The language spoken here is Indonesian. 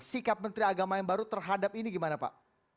sikap menteri agama yang baru terhadap ini gimana pak